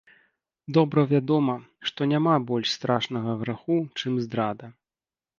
Добра вядома, што няма больш страшнага граху, чым здрада.